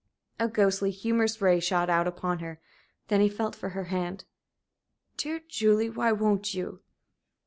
A ghostly, humorous ray shot out upon her; then he felt for her hand. "Dear Julie, why won't you?"